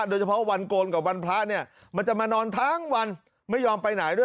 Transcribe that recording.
โดยเฉพาะวันโกนกับวันพระเนี่ยมันจะมานอนทั้งวันไม่ยอมไปไหนด้วย